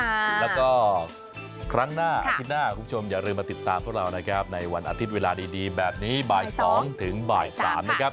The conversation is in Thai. แล้วก็ครั้งหน้าอาทิตย์หน้าคุณผู้ชมอย่าลืมมาติดตามพวกเรานะครับในวันอาทิตย์เวลาดีแบบนี้บ่าย๒ถึงบ่าย๓นะครับ